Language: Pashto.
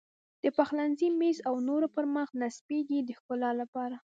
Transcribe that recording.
د پخلنځي میز او نورو پر مخ نصبېږي د ښکلا لپاره.